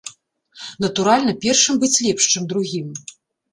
Натуральна, першым быць лепш, чым другім.